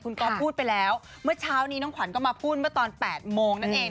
ก๊อฟพูดไปแล้วเมื่อเช้านี้น้องขวัญก็มาพูดเมื่อตอน๘โมงนั่นเอง